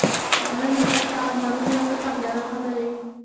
زړه مي ډک له ارمانونو یو کتاب لرم خبري